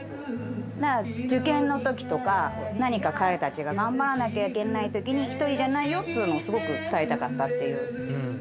受験の時とか何か彼たちが頑張らなきゃいけない時に一人じゃないよっていうのをすごく伝えたかったっていう。